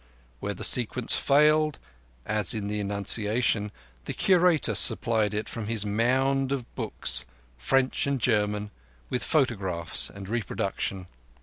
Where the sequence failed, as in the Annunciation, the Curator supplied it from his mound of books—French and German, with photographs and reproductions.